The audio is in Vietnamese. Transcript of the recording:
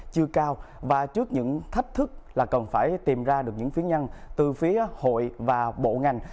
chưa cao và trước những thách thức là cần phải tìm ra được những phía nhân từ phía hội và bộ ngành